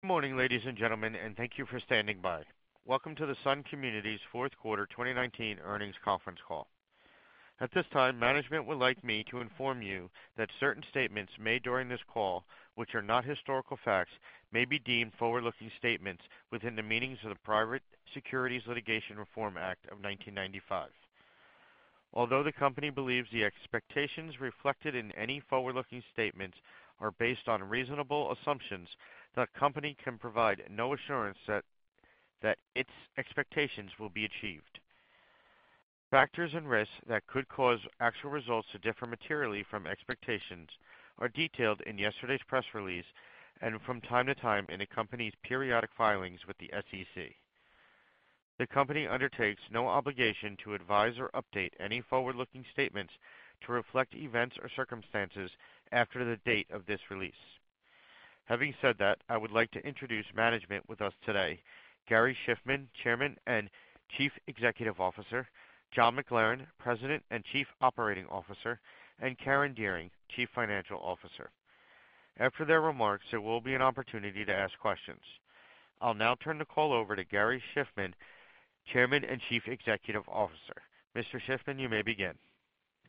Good morning, ladies and gentlemen, and thank you for standing by. Welcome to the Sun Communities fourth quarter 2019 earnings conference call. At this time, management would like me to inform you that certain statements made during this call, which are not historical facts, may be deemed forward-looking statements within the meanings of the Private Securities Litigation Reform Act of 1995. Although the company believes the expectations reflected in any forward-looking statements are based on reasonable assumptions, the company can provide no assurance that its expectations will be achieved. Factors and risks that could cause actual results to differ materially from expectations are detailed in yesterday's press release and from time to time in the company's periodic filings with the SEC. The company undertakes no obligation to advise or update any forward-looking statements to reflect events or circumstances after the date of this release. Having said that, I would like to introduce management with us today, Gary Shiffman, Chairman and Chief Executive Officer, John McLaren, President and Chief Operating Officer, and Karen Dearing, Chief Financial Officer. After their remarks, there will be an opportunity to ask questions. I'll now turn the call over to Gary Shiffman, Chairman and Chief Executive Officer. Mr. Shiffman, you may begin.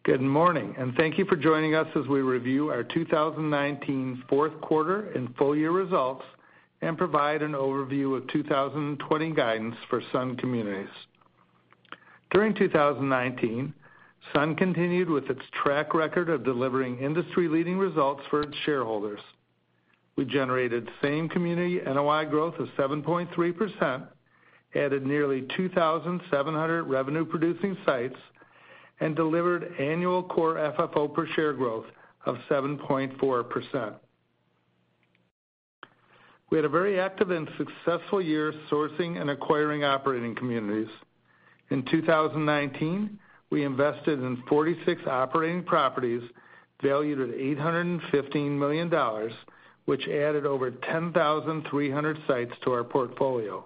Good morning, and thank you for joining us as we review our 2019's fourth quarter and full year results and provide an overview of 2020 guidance for Sun Communities. During 2019, Sun continued with its track record of delivering industry-leading results for its shareholders. We generated same community NOI growth of 7.3%, added nearly 2,700 revenue-producing sites, and delivered annual core FFO per share growth of 7.4%. We had a very active and successful year sourcing and acquiring operating communities. In 2019, we invested in 46 operating properties valued at $815 million, which added over 10,300 sites to our portfolio.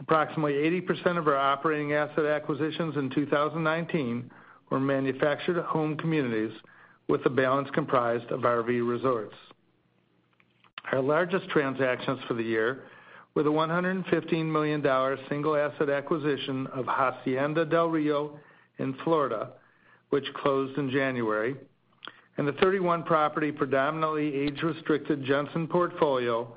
Approximately 80% of our operating asset acquisitions in 2019 were manufactured home communities with the balance comprised of RV resorts. Our largest transactions for the year were the $115 million single-asset acquisition of Hacienda Del Rio in Florida, which closed in January, and the 31-property predominantly age-restricted Jensen portfolio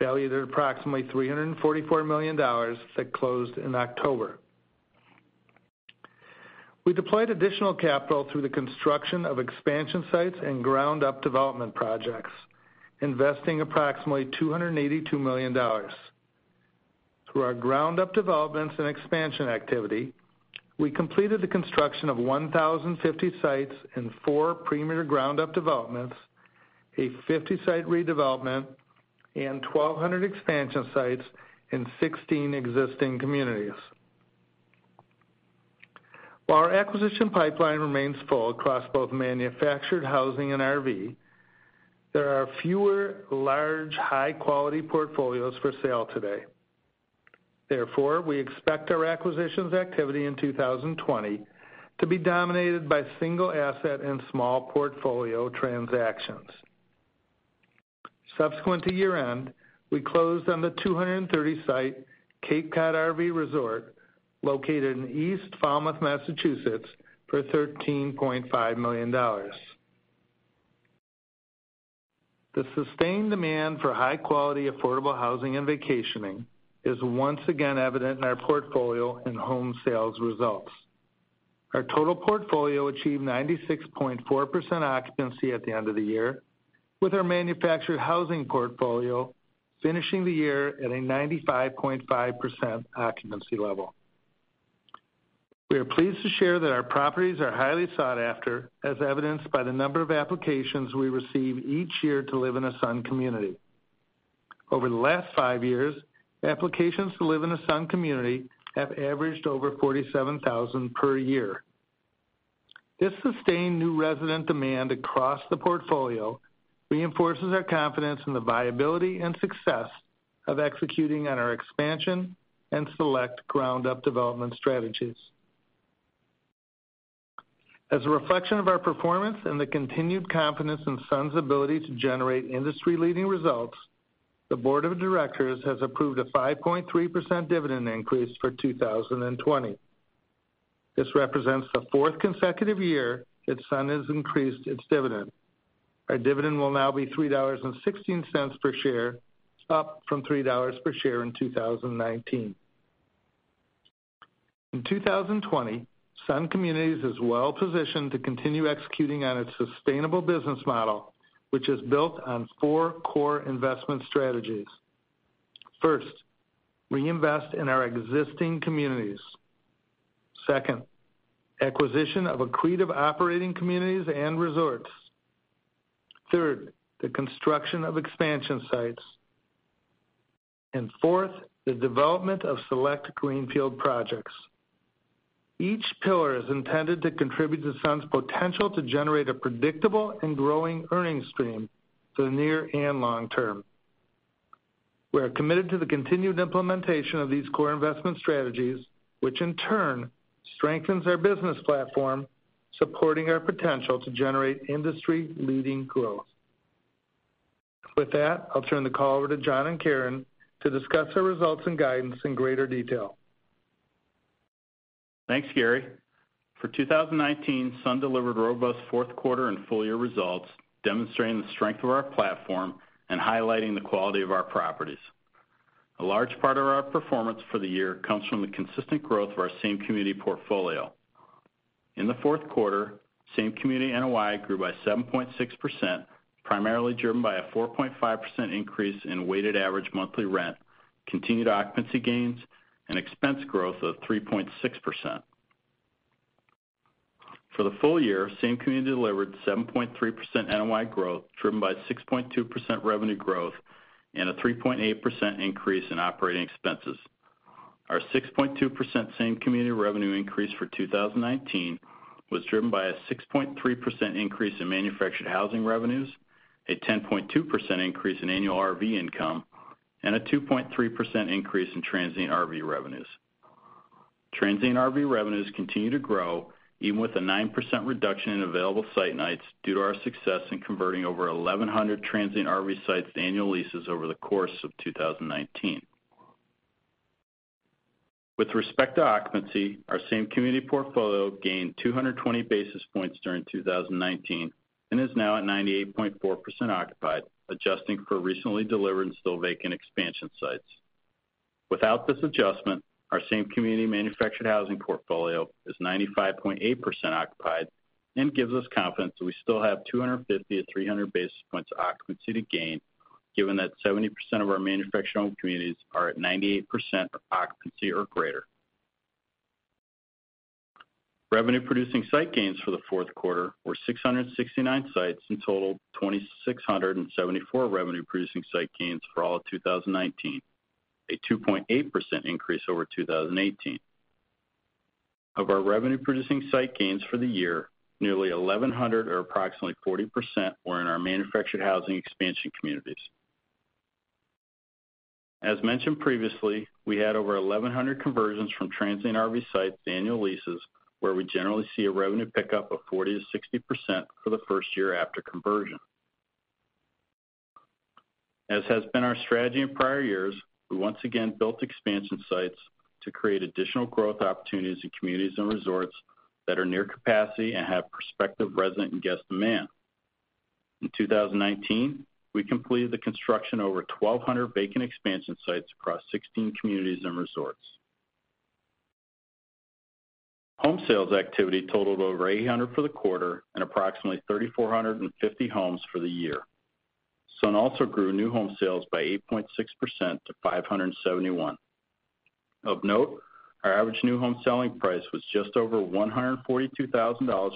valued at approximately $344 million that closed in October. We deployed additional capital through the construction of expansion sites and ground-up development projects, investing approximately $282 million. Through our ground-up developments and expansion activity, we completed the construction of 1,050 sites in four premier ground-up developments, a 50-site redevelopment, and 1,200 expansion sites in 16 existing communities. While our acquisition pipeline remains full across both manufactured housing and RV, there are fewer large, high-quality portfolios for sale today. Therefore, we expect our acquisitions activity in 2020 to be dominated by single asset and small portfolio transactions. Subsequent to year-end, we closed on the 230-site Cape Cod RV Resort located in East Falmouth, Massachusetts, for $13.5 million. The sustained demand for high-quality affordable housing and vacationing is once again evident in our portfolio and home sales results. Our total portfolio achieved 96.4% occupancy at the end of the year, with our manufactured housing portfolio finishing the year at a 95.5% occupancy level. We are pleased to share that our properties are highly sought after, as evidenced by the number of applications we receive each year to live in a Sun Community. Over the last five years, applications to live in a Sun Community have averaged over 47,000 per year. This sustained new resident demand across the portfolio reinforces our confidence in the viability and success of executing on our expansion and select ground-up development strategies. As a reflection of our performance and the continued confidence in Sun's ability to generate industry-leading results, the board of directors has approved a 5.3% dividend increase for 2020. This represents the fourth consecutive year that Sun has increased its dividend. Our dividend will now be $3.16 per share, up from $3 per share in 2019. In 2020, Sun Communities is well-positioned to continue executing on its sustainable business model, which is built on four core investment strategies. First, reinvest in our existing communities. Second, acquisition of accretive operating communities and resorts. Third, the construction of expansion sites. Fourth, the development of select greenfield projects. Each pillar is intended to contribute to Sun's potential to generate a predictable and growing earnings stream for the near and long term. We are committed to the continued implementation of these core investment strategies, which in turn strengthens our business platform, supporting our potential to generate industry-leading growth. With that, I'll turn the call over to John and Karen to discuss our results and guidance in greater detail. Thanks, Gary. For 2019, Sun delivered robust fourth quarter and full-year results, demonstrating the strength of our platform and highlighting the quality of our properties. A large part of our performance for the year comes from the consistent growth of our same community portfolio. In the fourth quarter, same community NOI grew by 7.6%, primarily driven by a 4.5% increase in weighted average monthly rent, continued occupancy gains, and expense growth of 3.6%. For the full year, same community delivered 7.3% NOI growth, driven by 6.2% revenue growth and a 3.8% increase in operating expenses. Our 6.2% same community revenue increase for 2019 was driven by a 6.3% increase in manufactured housing revenues, a 10.2% increase in annual RV income, and a 2.3% increase in transient RV revenues. Transient RV revenues continue to grow even with a 9% reduction in available site nights due to our success in converting over 1,100 transient RV sites to annual leases over the course of 2019. With respect to occupancy, our same community portfolio gained 220 basis points during 2019 and is now at 98.4% occupied, adjusting for recently delivered and still vacant expansion sites. Without this adjustment, our same community manufactured housing portfolio is 95.8% occupied and gives us confidence that we still have 250 basis points-300 basis points occupancy to gain, given that 70% of our manufactured home communities are at 98% occupancy or greater. Revenue producing site gains for the fourth quarter were 669 sites and totaled 2,674 revenue-producing site gains for all of 2019, a 2.8% increase over 2018. Of our revenue-producing site gains for the year, nearly 1,100 or approximately 40% were in our manufactured housing expansion communities. As mentioned previously, we had over 1,100 conversions from transient RV sites to annual leases, where we generally see a revenue pickup of 40%-60% for the first year after conversion. As has been our strategy in prior years, we once again built expansion sites to create additional growth opportunities in communities and resorts that are near capacity and have prospective resident and guest demand. In 2019, we completed the construction of over 1,200 vacant expansion sites across 16 communities and resorts. Home sales activity totaled over 800 for the quarter and approximately 3,450 homes for the year. Sun also grew new home sales by 8.6% to 571. Of note, our average new home selling price was just over $142,000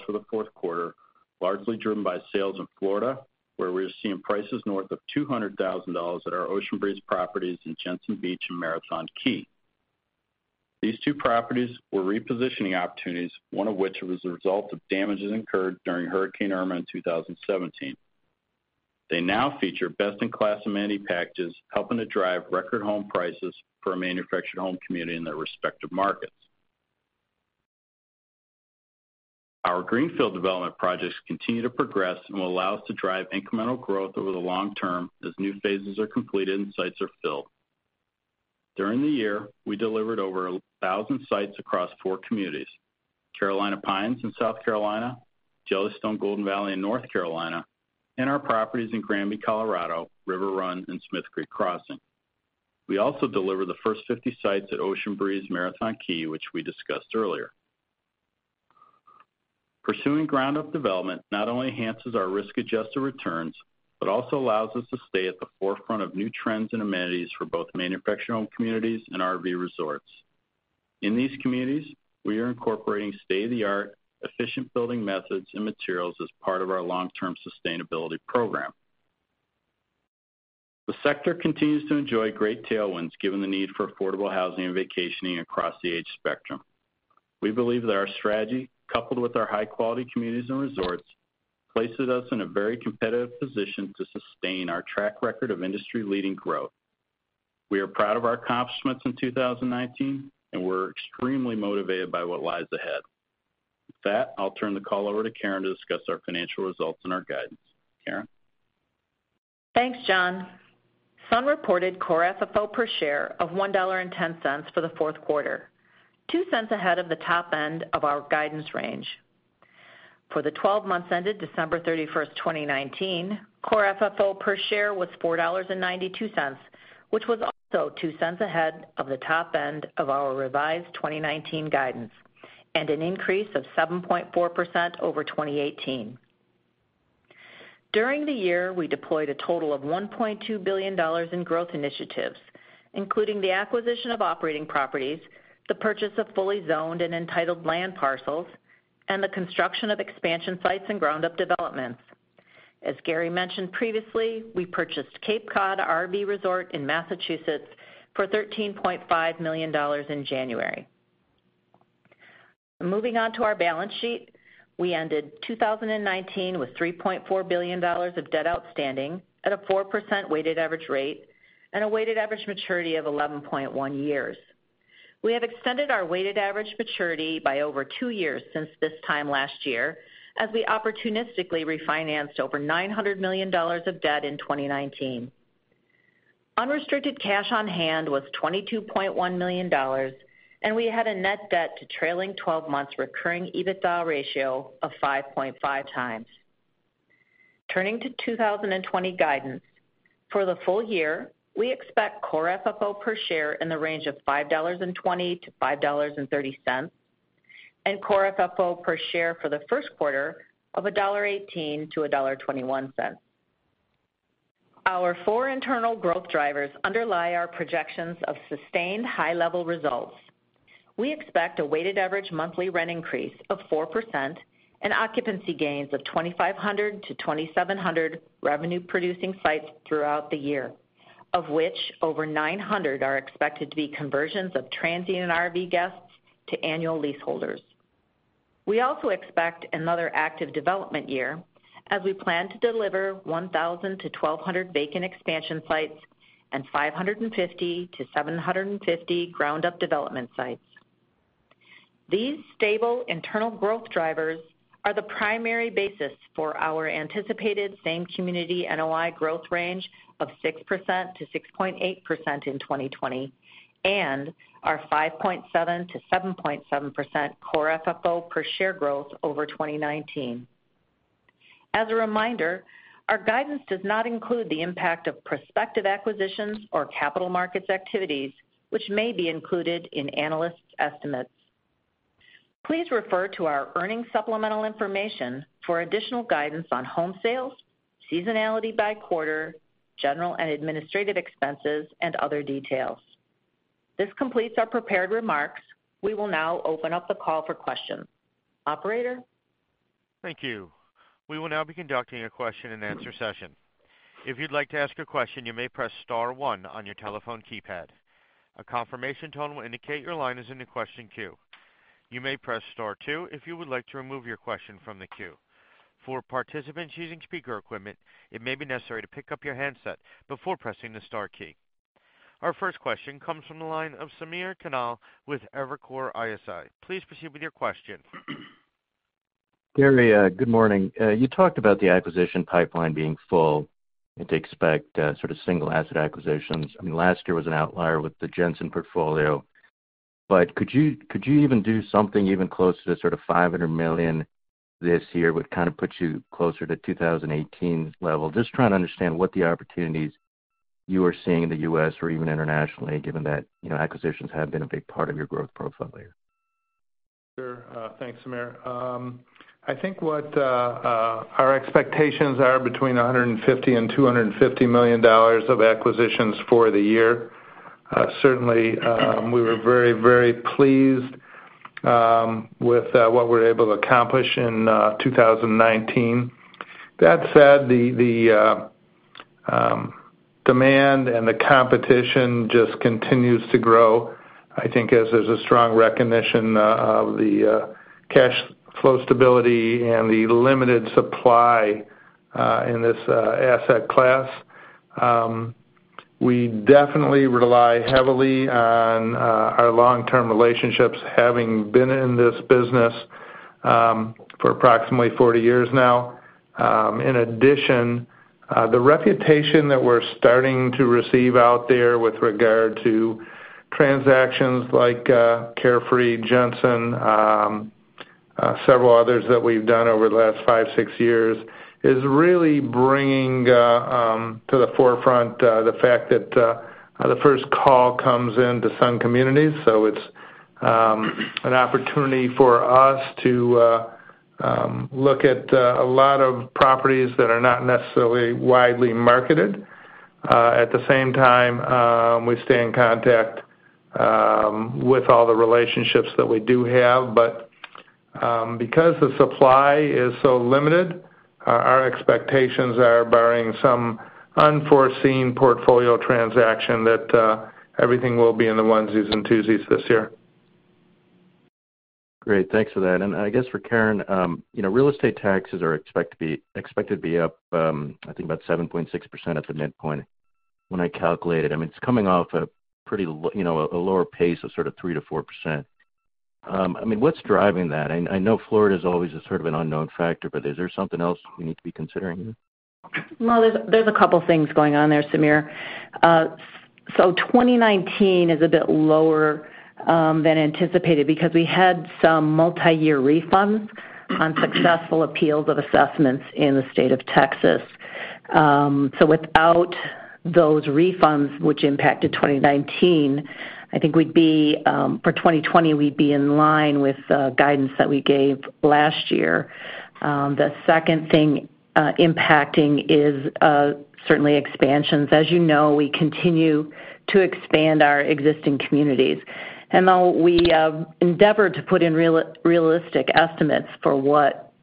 for the fourth quarter, largely driven by sales in Florida, where we're seeing prices north of $200,000 at our Ocean Breeze properties in Jensen Beach and Marathon Key. These two properties were repositioning opportunities, one of which was a result of damages incurred during Hurricane Irma in 2017. They now feature best-in-class amenity packages, helping to drive record home prices for a manufactured home community in their respective markets. Our greenfield development projects continue to progress and will allow us to drive incremental growth over the long term as new phases are completed, and sites are filled. During the year, we delivered over 1,000 sites across four communities, Carolina Pines in South Carolina, Yogi Bear's Jellystone Park Camp-Resort Golden Valley in North Carolina, and our properties in Granby, Colorado, River Run, and Smith Creek Crossing. We also delivered the first 50 sites at Ocean Breeze Marathon Key, which we discussed earlier. Pursuing ground-up development not only enhances our risk-adjusted returns but also allows us to stay at the forefront of new trends and amenities for both manufactured housing communities and RV resorts. In these communities, we are incorporating state-of-the-art efficient building methods and materials as part of our long-term sustainability program. The sector continues to enjoy great tailwinds given the need for affordable housing and vacationing across the age spectrum. We believe that our strategy, coupled with our high-quality communities and resorts, places us in a very competitive position to sustain our track record of industry-leading growth. We are proud of our accomplishments in 2019, and we're extremely motivated by what lies ahead. With that, I'll turn the call over to Karen to discuss our financial results and our guidance. Karen? Thanks, John. Sun reported core FFO per share of $1.10 for the fourth quarter, $0.02 ahead of the top end of our guidance range. For the 12 months ended December 31st, 2019, core FFO per share was $4.92, which was also $0.02 ahead of the top end of our revised 2019 guidance and an increase of 7.4% over 2018. During the year, we deployed a total of $1.2 billion in growth initiatives, including the acquisition of operating properties, the purchase of fully zoned and entitled land parcels, and the construction of expansion sites and ground-up developments. As Gary mentioned previously, we purchased Cape Cod RV Resort in Massachusetts for $13.5 million in January. Moving on to our balance sheet. We ended 2019 with $3.4 billion of debt outstanding at a 4% weighted average rate and a weighted average maturity of 11.1 years. We have extended our weighted average maturity by over two years since this time last year, as we opportunistically refinanced over $900 million of debt in 2019. Unrestricted cash on hand was $22.1 million, and we had a net debt to trailing 12 months recurring EBITDA ratio of 5.5x. Turning to 2020 guidance. For the full year, we expect core FFO per share in the range of $5.20-$5.30, and core FFO per share for the first quarter of $1.18-$1.21. Our four internal growth drivers underlie our projections of sustained high-level results. We expect a weighted average monthly rent increase of 4% and occupancy gains of 2,500-2,700 revenue-producing sites throughout the year, of which over 900 are expected to be conversions of transient and RV guests to annual lease holders. We also expect another active development year as we plan to deliver 1,000-1,200 vacant expansion sites and 550-750 ground-up development sites. These stable internal growth drivers are the primary basis for our anticipated same-community NOI growth range of 6%-6.8% in 2020 and our 5.7%-7.7% core FFO per share growth over 2019. As a reminder, our guidance does not include the impact of prospective acquisitions or capital markets activities, which may be included in analysts' estimates. Please refer to our earnings supplemental information for additional guidance on home sales, seasonality by quarter, general and administrative expenses, and other details. This completes our prepared remarks. We will now open up the call for questions. Operator? Thank you. We will now be conducting a question-and-answer session. If you'd like to ask a question, you may press star one on your telephone keypad. A confirmation tone will indicate your line is in the question queue. You may press star two if you would like to remove your question from the queue. For participants using speaker equipment, it may be necessary to pick up your handset before pressing the star key. Our first question comes from the line of Samir Khanal with Evercore ISI. Please proceed with your question. Gary, good morning. You talked about the acquisition pipeline being full and to expect sort of single asset acquisitions. Last year was an outlier with the Jensen portfolio. Could you even do something even closer to sort of $500 million this year, would kind of put you closer to 2018 level? Just trying to understand what the opportunities you are seeing in the U.S. or even internationally, given that acquisitions have been a big part of your growth profile here. Sure. Thanks, Samir. I think what our expectations are between $150 million and $250 million of acquisitions for the year. Certainly, we were very, very pleased with what we were able to accomplish in 2019. That said, the demand and the competition just continues to grow, I think, as there's a strong recognition of the cash flow stability and the limited supply in this asset class. We definitely rely heavily on our long-term relationships, having been in this business for approximately 40 years now. In addition, the reputation that we're starting to receive out there with regard to transactions like Carefree, Jensen, several others that we've done over the last five, six years, is really bringing to the forefront the fact that the first call comes into Sun Communities. It's an opportunity for us to look at a lot of properties that are not necessarily widely marketed. At the same time, we stay in contact with all the relationships that we do have. Because the supply is so limited, our expectations are barring some unforeseen portfolio transaction, that everything will be in the onesies and twosies this year. Great. Thanks for that. I guess for Karen, real estate taxes are expected to be up, I think about 7.6% at the midpoint when I calculate it. It's coming off a lower pace of sort of 3%-4%. What's driving that? I know Florida is always a sort of an unknown factor, but is there something else we need to be considering here? Well, there's a couple things going on there, Samir. 2019 is a bit lower than anticipated because we had some multi-year refunds on successful appeals of assessments in the state of Texas. Without those refunds, which impacted 2019, I think for 2020, we'd be in line with the guidance that we gave last year. The second thing impacting is certainly expansions. As you know, we continue to expand our existing communities. While we endeavor to put in realistic estimates for what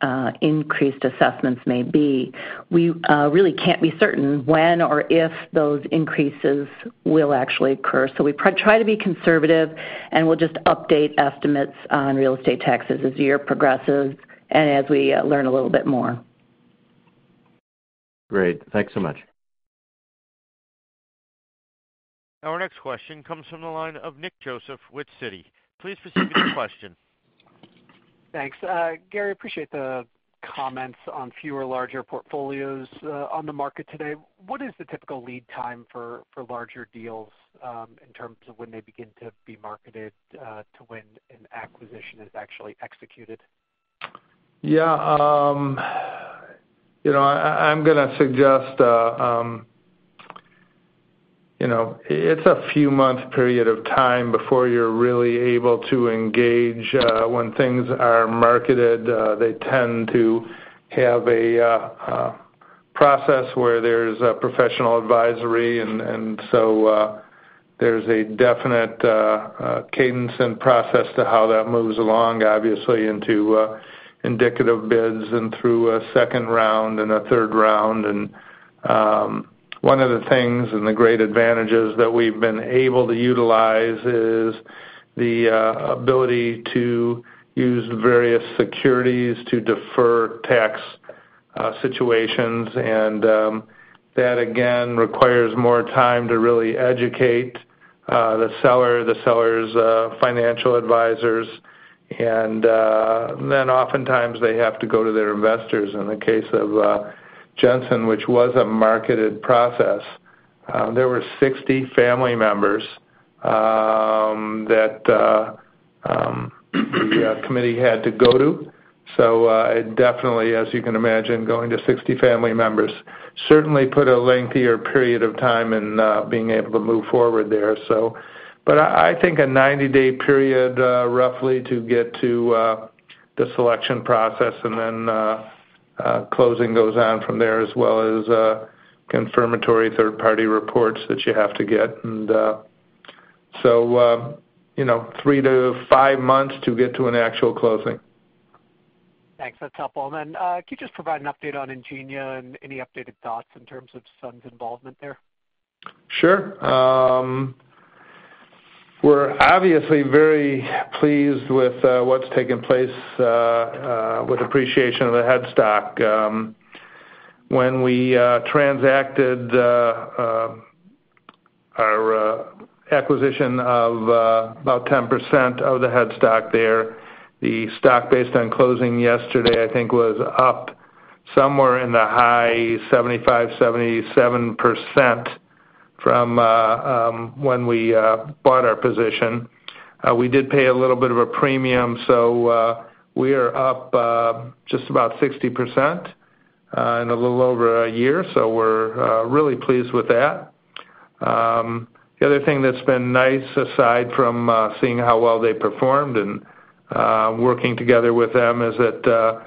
increased assessments may be, we really can't be certain when or if those increases will actually occur. We try to be conservative, and we'll just update estimates on real estate taxes as the year progresses and as we learn a little bit more. Great. Thanks so much. Our next question comes from the line of Nick Joseph with Citi. Please proceed with your question. Thanks. Gary, appreciate the comments on fewer larger portfolios on the market today. What is the typical lead time for larger deals in terms of when they begin to be marketed to when an acquisition is actually executed? Yeah. I'm going to suggest it's a few months period of time before you're really able to engage. When things are marketed, they tend to have a process where there's a professional advisory. There's a definite cadence and process to how that moves along, obviously into indicative bids and through a second round and a third round. One of the things and the great advantages that we've been able to utilize is the ability to use various securities to defer tax situations. That, again, requires more time to really educate the seller, the seller's financial advisors, and then oftentimes they have to go to their investors. In the case of Jensen's, which was a marketed process, there were 60 family members that the committee had to go to. It definitely, as you can imagine, going to 60 family members certainly put a lengthier period of time in being able to move forward there. I think a 90-day period roughly to get to the selection process and then closing goes on from there, as well as confirmatory third-party reports that you have to get. Three to five months to get to an actual closing. Thanks. That's helpful. Can you just provide an update on Ingenia and any updated thoughts in terms of Sun's involvement there? Sure. We're obviously very pleased with what's taken place with appreciation of the stock. When we transacted our acquisition of about 10% of the stock there, the stock based on closing yesterday, I think, was up somewhere in the high 75%-77% from when we bought our position. We did pay a little bit of a premium, so we are up just about 60% in a little over a year, so we're really pleased with that. The other thing that's been nice, aside from seeing how well they performed and working together with them, is that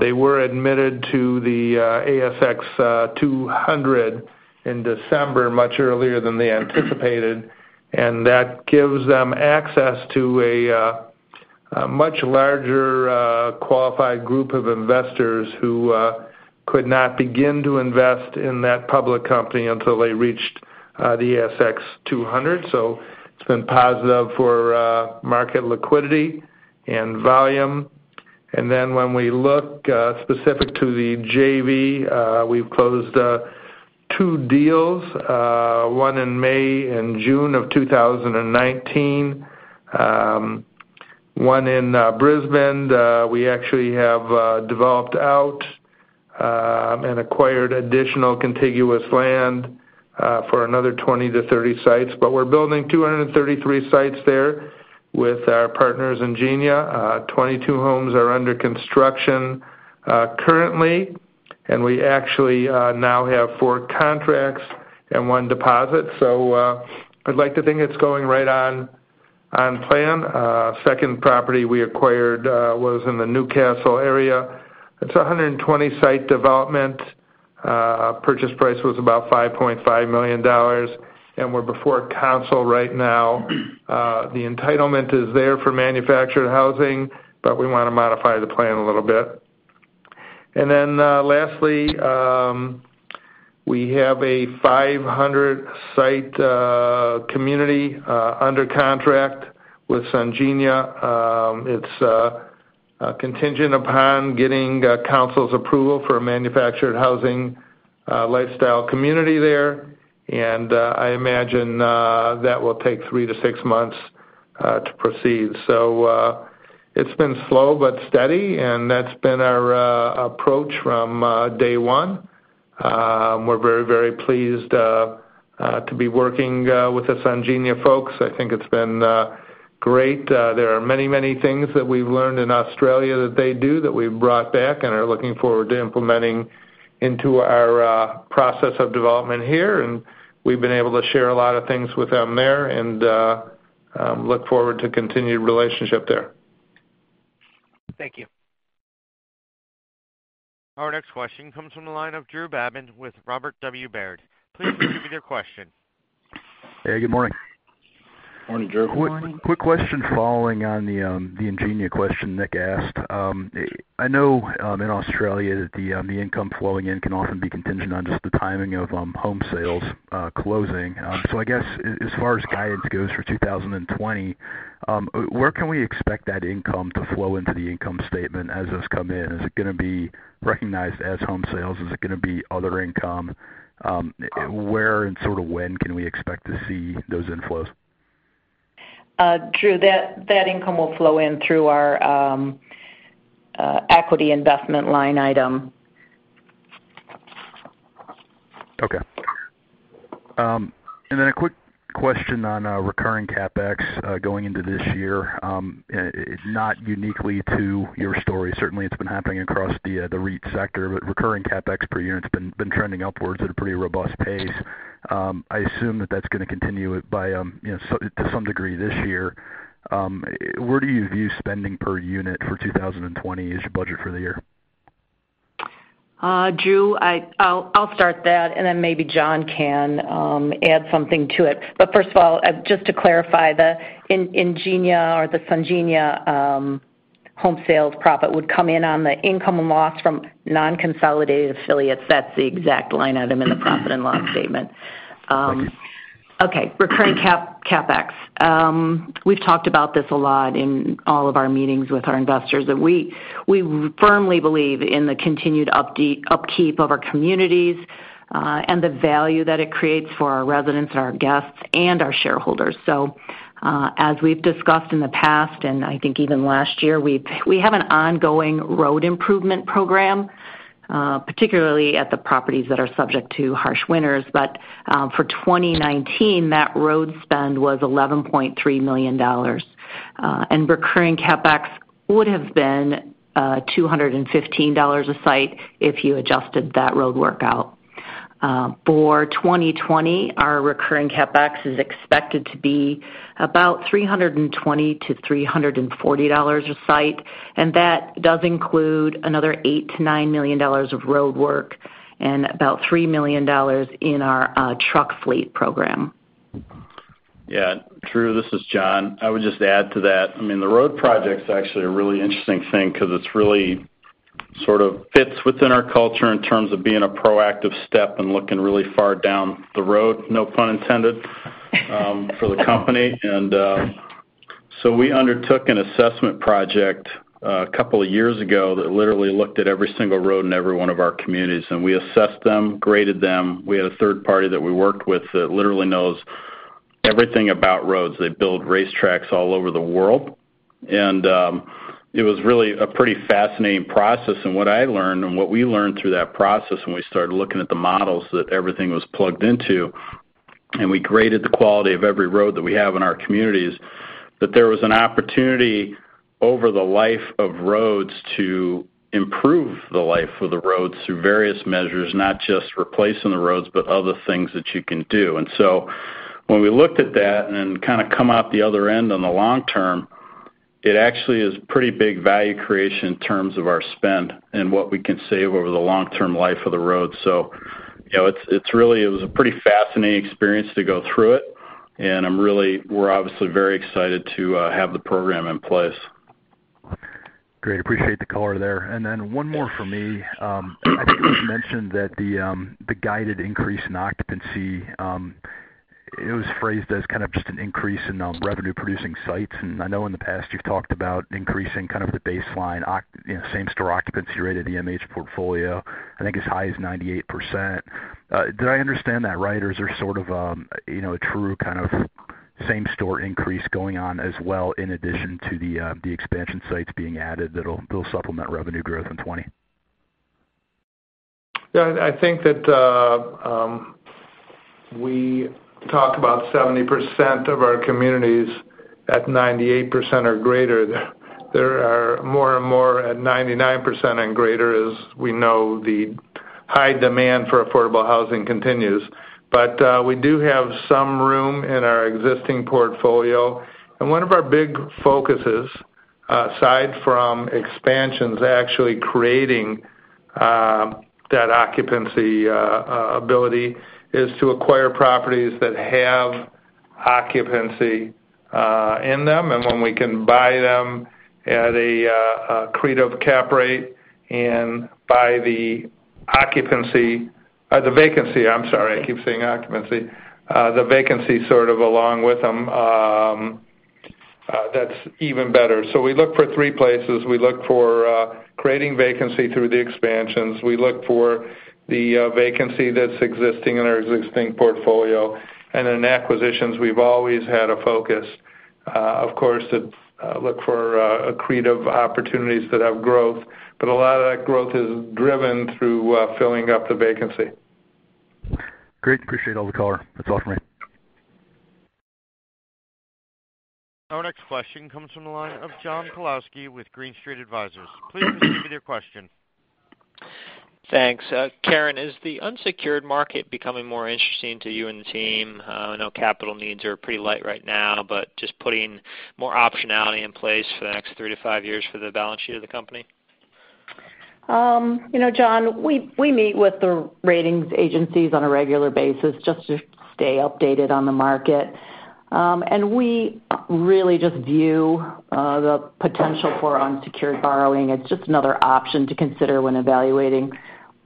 they were admitted to the ASX 200 in December, much earlier than they anticipated. That gives them access to a much larger qualified group of investors who could not begin to invest in that public company until they reached the ASX 200. It's been positive for market liquidity and volume. When we look specific to the JV, we've closed two deals, one in May and June of 2019. One in Brisbane, we actually have developed out and acquired additional contiguous land for another 20-30 sites. We're building 233 sites there with our partners Ingenia. 22 homes are under construction currently, and we actually now have four contracts and one deposit. I'd like to think it's going right on plan. Second property we acquired was in the Newcastle area. It's a 120-site development. Purchase price was about $5.5 million, and we're before council right now. The entitlement is there for manufactured housing, but we want to modify the plan a little bit. Lastly, we have a 500-site community under contract with Sun Ingenia. It's contingent upon getting council's approval for a manufactured housing lifestyle community there. I imagine that will take three to six months to proceed. It's been slow but steady, and that's been our approach from day one. We're very, very pleased to be working with the Sun Ingenia folks. I think it's been great. There are many things that we've learned in Australia that they do that we've brought back and are looking forward to implementing into our process of development here. We've been able to share a lot of things with them there and look forward to continued relationship there. Thank you. Our next question comes from the line of Drew Babin with Robert W. Baird. Please proceed with your question. Hey, good morning. Morning, Drew. Quick question following on the Ingenia question Nick asked. I know in Australia that the income flowing in can often be contingent on just the timing of home sales closing. I guess, as far as guidance goes for 2020, where can we expect that income to flow into the income statement as those come in? Is it going to be recognized as home sales? Is it going to be other income? Where and sort of when can we expect to see those inflows? Drew, that income will flow in through our equity investment line item. Okay. A quick question on recurring CapEx, going into this year. Not uniquely to your story. Certainly, it's been happening across the REIT sector, but recurring CapEx per unit has been trending upwards at a pretty robust pace. I assume that that's going to continue to some degree this year. Where do you view spending per unit for 2020 as your budget for the year? Drew, I'll start that, and then maybe John can add something to it. First of all, just to clarify, the Ingenia or the Sun Ingenia home sales profit would come in on the income and loss from non-consolidated affiliates. That's the exact line item in the profit and loss statement. Okay. Recurring CapEx. We've talked about this a lot in all of our meetings with our investors, that we firmly believe in the continued upkeep of our communities, and the value that it creates for our residents and our guests and our shareholders. As we've discussed in the past, and I think even last year, we have an ongoing road improvement program, particularly at the properties that are subject to harsh winters. For 2019, that road spend was $11.3 million. Recurring CapEx would have been $215 a site if you adjusted that roadwork out. For 2020, our recurring CapEx is expected to be about $320-$340 a site, and that does include another $8 million-$9 million of roadwork and about $3 million in our truck fleet program. Yeah. Drew, this is John. I would just add to that. I mean, the road project's actually a really interesting thing because it really sort of fits within our culture in terms of being a proactive step and looking really far down the road, no pun intended, for the company. We undertook an assessment project a couple of years ago that literally looked at every single road in every one of our communities, and we assessed them, graded them. We had a third party that we worked with that literally knows everything about roads. They build racetracks all over the world. It was really a pretty fascinating process. What I learned, and what we learned through that process when we started looking at the models that everything was plugged into, and we graded the quality of every road that we have in our communities, that there was an opportunity over the life of roads to improve the life of the roads through various measures, not just replacing the roads, but other things that you can do. When we looked at that and then kind of come out the other end on the long term, it actually is pretty big value creation in terms of our spend and what we can save over the long-term life of the road. It was a pretty fascinating experience to go through it, and we're obviously very excited to have the program in place. Great. Appreciate the color there. Then one more from me. I think it was mentioned that the guided increase in occupancy, it was phrased as kind of just an increase in revenue-producing sites, and I know in the past you've talked about increasing kind of the baseline same-store occupancy rate of the MH portfolio, I think as high as 98%. Did I understand that right, or is there sort of a true kind of same-store increase going on as well in addition to the expansion sites being added that'll supplement revenue growth in 2020? Yeah, I think that we talk about 70% of our communities at 98% or greater. There are more and more at 99% and greater as we know the high demand for affordable housing continues. We do have some room in our existing portfolio. One of our big focuses aside from expansions actually creating that occupancy ability is to acquire properties that have occupancy in them. When we can buy them at an accretive cap rate and buy the vacancy sort of along with them, that's even better. We look for three places. We look for creating vacancy through the expansions. We look for the vacancy that's existing in our existing portfolio. In acquisitions, we've always had a focus, of course, to look for accretive opportunities that have growth. A lot of that growth is driven through filling up the vacancy. Great. Appreciate all the color. That's all for me. Our next question comes from the line of John Pawlowski with Green Street Advisors. Please proceed with your question. Thanks. Karen, is the unsecured market becoming more interesting to you and the team? I know capital needs are pretty light right now, but just putting more optionality in place for the next three to five years for the balance sheet of the company? John, we meet with the ratings agencies on a regular basis just to stay updated on the market. We really just view the potential for unsecured borrowing as just another option to consider when evaluating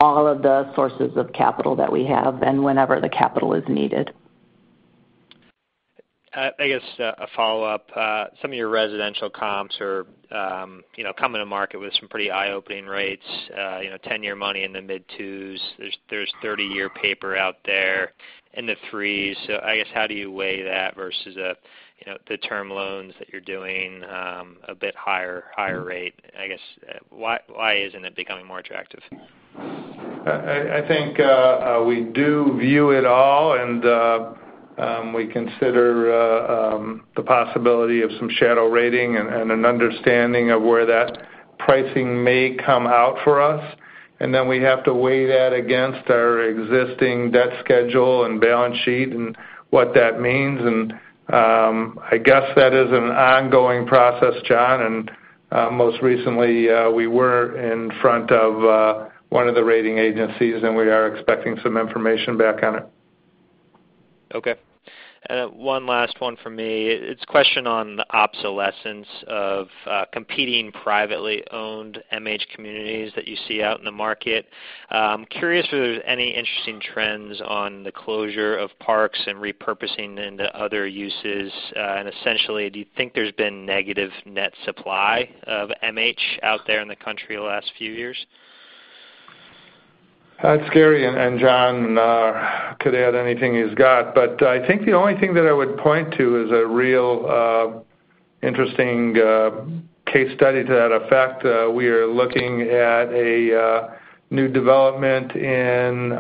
all of the sources of capital that we have and whenever the capital is needed. I guess a follow-up. Some of your residential comps are coming to market with some pretty eye-opening rates, 10-year money in the mid twos. There's 30-year paper out there in the threes. I guess, how do you weigh that versus the term loans that you're doing a bit higher rate? I guess, why isn't it becoming more attractive? I think we do view it all, and we consider the possibility of some shadow rating and an understanding of where that pricing may come out for us. Then we have to weigh that against our existing debt schedule and balance sheet and what that means. I guess that is an ongoing process, John. Most recently, we were in front of one of the rating agencies, and we are expecting some information back on it. Okay. One last one from me. It's a question on the obsolescence of competing privately owned MH communities that you see out in the market. I'm curious if there's any interesting trends on the closure of parks and repurposing into other uses. Essentially, do you think there's been negative net supply of MH out there in the country the last few years? That's Gary. John could add anything he's got. I think the only thing that I would point to is a real interesting case study to that effect. We are looking at a new development in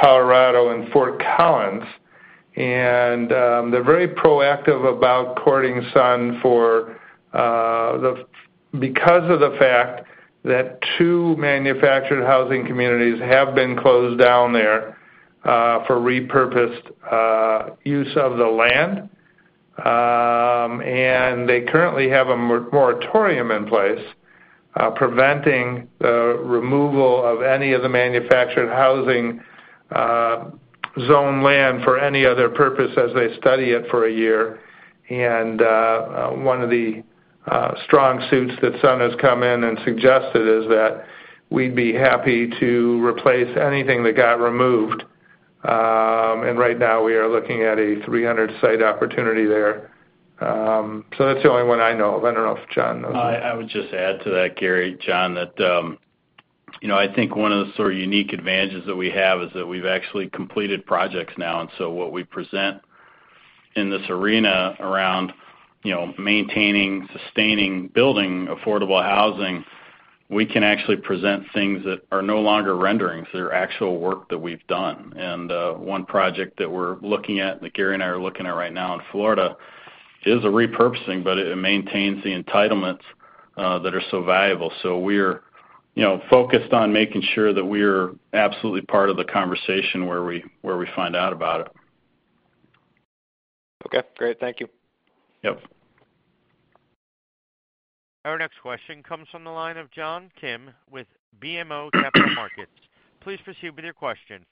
Colorado in Fort Collins. They're very proactive about courting Sun because of the fact that two manufactured housing communities have been closed down there for repurposed use of the land. They currently have a moratorium in place, preventing the removal of any of the manufactured housing zone land for any other purpose as they study it for one year. One of the strong suits that Sun has come in and suggested is that we'd be happy to replace anything that got removed. Right now, we are looking at a 300-site opportunity there. That's the only one I know of. I don't know if John knows of any. I would just add to that, Gary, John, that I think one of the sort of unique advantages that we have is that we've actually completed projects now. What we present in this arena around maintaining, sustaining, building affordable housing, we can actually present things that are no longer renderings. They're actual work that we've done. One project that we're looking at, that Gary and I are looking at right now in Florida, is a repurposing, but it maintains the entitlements that are so valuable. We're focused on making sure that we're absolutely part of the conversation where we find out about it. Okay, great. Thank you. Yep. Our next question comes from the line of John Kim with BMO Capital Markets. Please proceed with your question.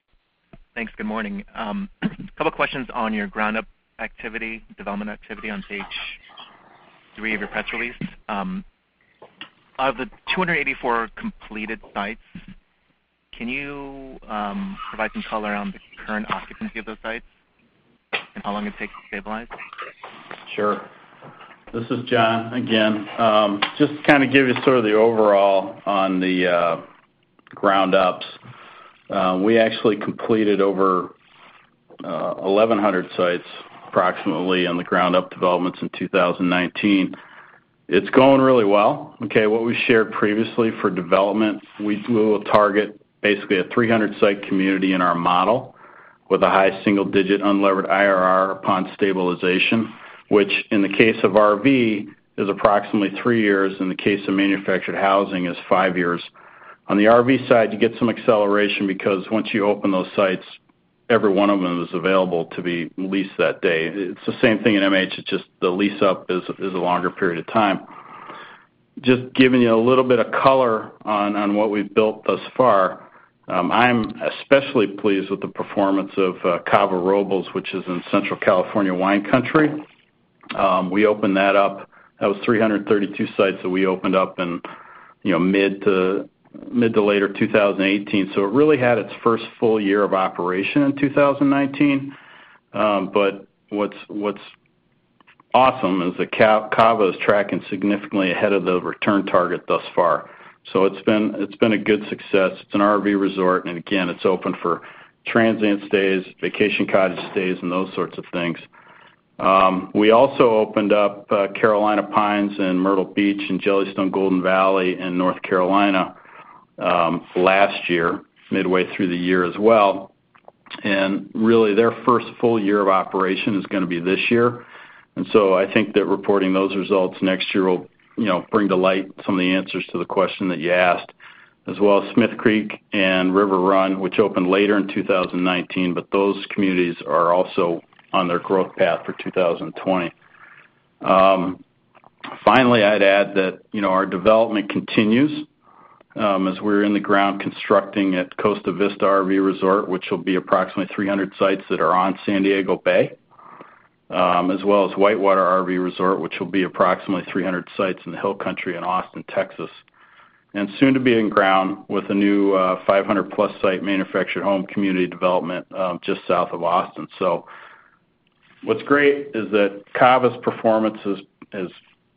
Thanks. Good morning. A couple of questions on your ground-up activity, development activity on page three of your press release. Of the 284 completed sites, can you provide some color on the current occupancy of those sites, and how long it takes to stabilize? Sure. This is John again. Just to kind of give you sort of the overall on the ground-ups. We actually completed over 1,100 sites approximately on the ground-up developments in 2019. It's going really well. Okay, what we shared previously for development, we will target basically a 300-site community in our model with a high single-digit unlevered IRR upon stabilization, which in the case of RV is approximately three years, in the case of manufactured housing is five years. On the RV side, you get some acceleration because once you open those sites, every one of them is available to be leased that day. It's the same thing in MH, it's just the lease-up is a longer period of time. Just giving you a little bit of color on what we've built thus far. I'm especially pleased with the performance of Cava Robles, which is in Central California wine country. We opened that up. That was 332 sites that we opened up in mid to later 2018. It really had its first full year of operation in 2019. What's awesome is that Cava is tracking significantly ahead of the return target thus far. It's been a good success. It's an RV resort, and again, it's open for transient stays, vacation cottage stays, and those sorts of things. We also opened up Carolina Pines in Myrtle Beach and Jellystone Golden Valley in North Carolina last year, midway through the year as well. Really, their first full year of operation is going to be this year. I think that reporting those results next year will bring to light some of the answers to the question that you asked. Smith Creek and River Run, which opened later in 2019, but those communities are also on their growth path for 2020. Finally, I'd add that our development continues as we're in the ground constructing at Costa Vista RV Resort, which will be approximately 300 sites that are on San Diego Bay as well as Whitewater RV Resort, which will be approximately 300 sites in the Hill Country in Austin, Texas, and soon to be in ground with a new 500+ site manufactured home community development just south of Austin. What's great is that Cava's performance has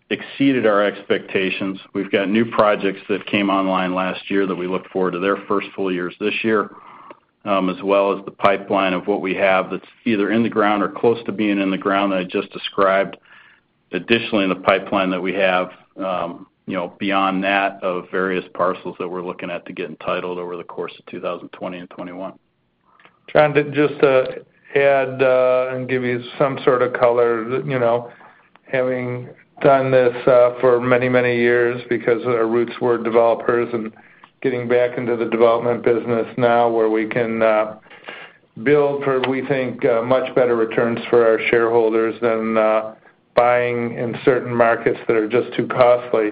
exceeded our expectations. We've got new projects that came online last year that we look forward to their first full years this year, as well as the pipeline of what we have that's either in the ground or close to being in the ground that I just described. Additionally, in the pipeline that we have, beyond that, of various parcels that we're looking at to get entitled over the course of 2020 and 2021. Trying to just add and give you some sort of color. Having done this for many, many years because our roots were developers and getting back into the development business now where we can build for, we think, much better returns for our shareholders than buying in certain markets that are just too costly.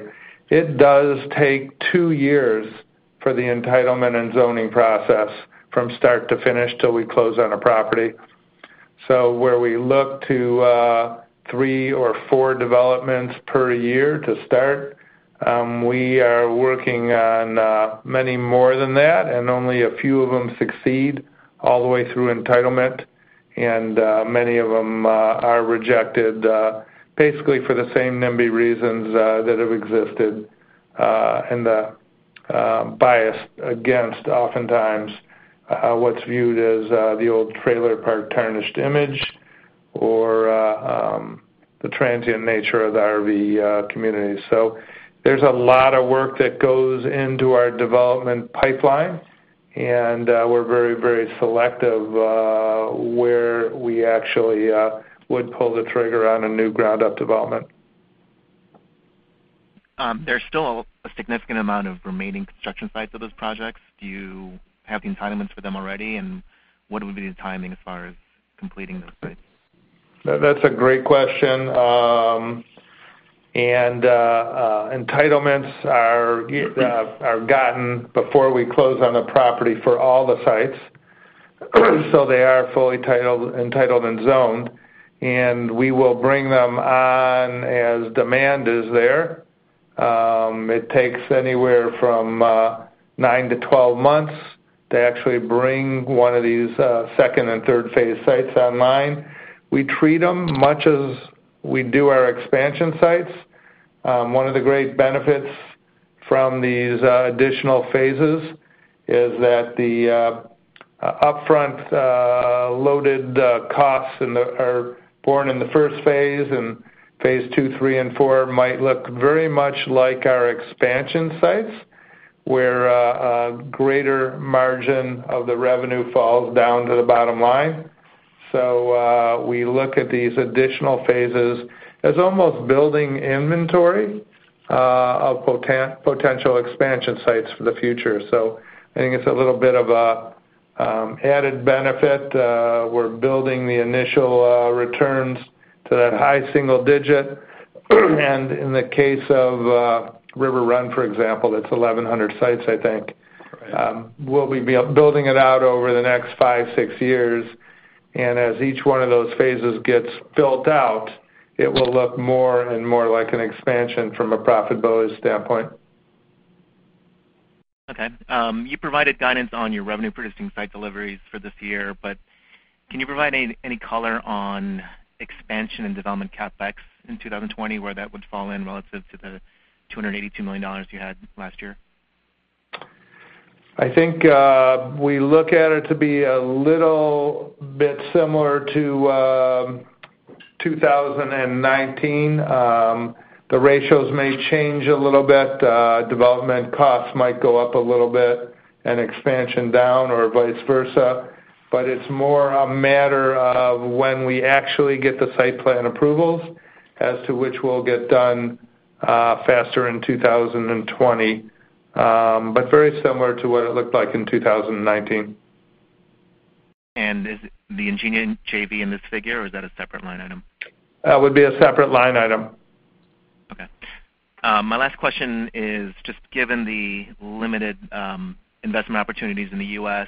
It does take two years for the entitlement and zoning process from start to finish till we close on a property. Where we look to three or four developments per year to start, we are working on many more than that, and only a few of them succeed all the way through entitlement, and many of them are rejected, basically for the same nimby reasons that have existed and biased against, oftentimes, what's viewed as the old trailer park tarnished image or the transient nature of the RV community. There's a lot of work that goes into our development pipeline, and we're very selective where we actually would pull the trigger on a new ground-up development. There's still a significant amount of remaining construction sites of those projects. Do you have the entitlements for them already, and what would be the timing as far as completing those sites? That's a great question. Entitlements are gotten before we close on the property for all the sites. They are fully entitled and zoned, and we will bring them on as demand is there. It takes anywhere from 9-12 months to actually bring one of these second and third-phase sites online. We treat them much as we do our expansion sites. One of the great benefits from these additional phases is that the upfront loaded costs are born in the first phase, and phase II, III, and IV might look very much like our expansion sites, where a greater margin of the revenue falls down to the bottom line. We look at these additional phases as almost building inventory of potential expansion sites for the future. I think it's a little bit of an added benefit. We're building the initial returns to that high single digit, and in the case of River Run, for example, that's 1,100 sites, I think. Right. We'll be building it out over the next five, six years, and as each one of those phases gets built out, it will look more and more like an expansion from a profitability standpoint. Okay. You provided guidance on your revenue-producing site deliveries for this year, can you provide any color on expansion and development CapEx in 2020, where that would fall in relative to the $282 million you had last year? I think we look at it to be a little bit similar to 2019. The ratios may change a little bit. Development costs might go up a little bit and expansion down or vice versa. It's more a matter of when we actually get the site plan approvals as to which will get done faster in 2020. Very similar to what it looked like in 2019. Is the Ingenia JV in this figure, or is that a separate line item? That would be a separate line item. Okay. My last question is just given the limited investment opportunities in the U.S.,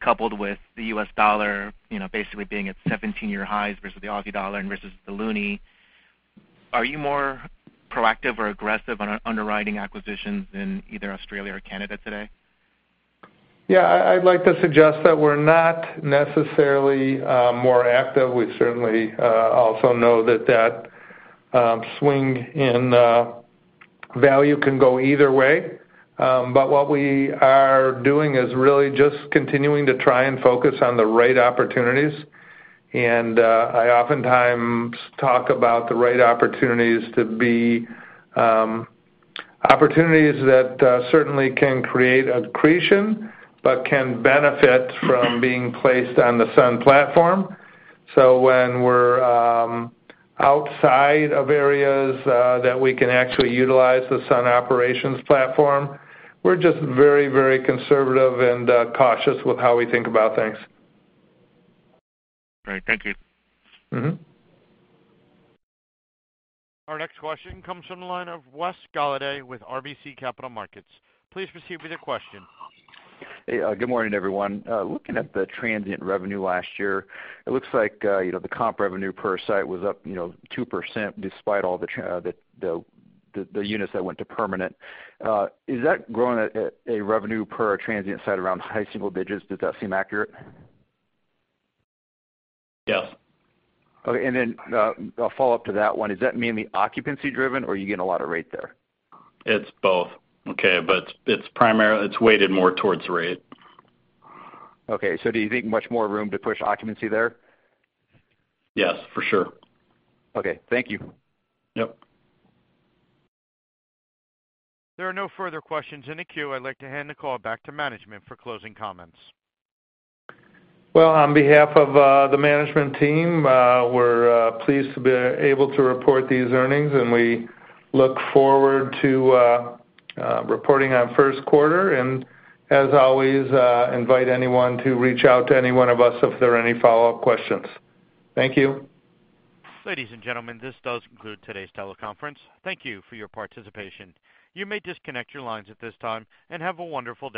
coupled with the U.S. dollar basically being at 17-year highs versus the Aussie dollar and versus the loonie, are you more proactive or aggressive on underwriting acquisitions in either Australia or Canada today? Yeah, I'd like to suggest that we're not necessarily more active. We certainly also know that that swing in value can go either way. What we are doing is really just continuing to try and focus on the right opportunities. I oftentimes talk about the right opportunities to be opportunities that certainly can create accretion but can benefit from being placed on the Sun platform. When we're outside of areas that we can actually utilize the Sun operations platform, we're just very conservative and cautious with how we think about things. All right. Thank you. Our next question comes from the line of Wes Golladay with RBC Capital Markets. Please proceed with your question. Hey, good morning, everyone. Looking at the transient revenue last year, it looks like the comp revenue per site was up 2% despite all the units that went to permanent. Is that growing at a revenue per transient site around high single digits? Does that seem accurate? Yes. Okay. A follow-up to that one. Is that mainly occupancy-driven, or are you getting a lot of rate there? It's both. Okay. It's weighted more towards rate. Okay. Do you think much more room to push occupancy there? Yes, for sure. Okay. Thank you. Yep. There are no further questions in the queue. I'd like to hand the call back to management for closing comments. Well, on behalf of the management team, we're pleased to be able to report these earnings, and we look forward to reporting on first quarter. As always, invite anyone to reach out to any one of us if there are any follow-up questions. Thank you. Ladies and gentlemen, this does conclude today's teleconference. Thank you for your participation. You may disconnect your lines at this time, and have a wonderful day.